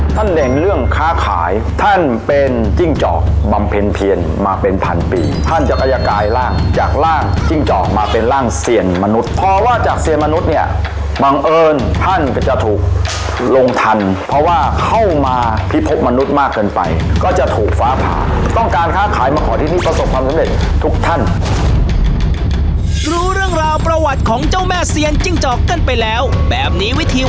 รู้เรื่องราวประวัติของเจ้าแม่เซียนจิ้งจอกกันไปแล้วแบบนี้วิธีไหว้เจ้าแม่เซียนจิ้งจอกกันไปแล้ว